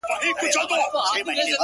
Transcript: • کله به پخلا سي، وايي بله ورځ ,